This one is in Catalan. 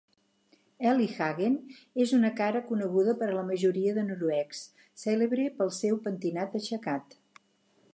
Eli Hagen és una cara coneguda per a la majoria de noruecs, cèlebre pel seu pentinat aixecat.